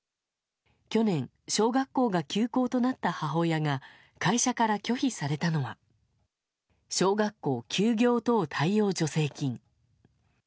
去年、小学校が休校となった母親が、会社から拒否されたのは、小学校休業等対応助成金。